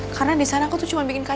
karena di sana aku tuh cuma bikin kasih